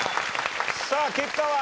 さあ結果は？